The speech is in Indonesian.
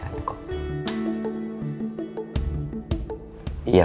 iya kenapa saya cerita seperti ini